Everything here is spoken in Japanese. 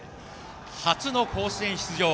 初の甲子園出場。